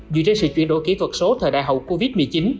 dựa trên sự chuyển đổi kỹ thuật số thời đại hậu covid một mươi chín